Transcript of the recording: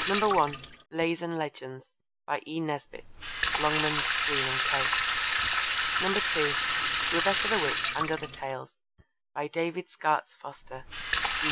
(1) Lays and Legends. By E. Nesbit. (Longmans, Green and Co.) (2) Rebecca the Witch and Other Tales. By David Skaats Foster.